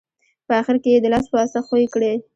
په اخیر کې یې د لاس په واسطه ښوي کړئ.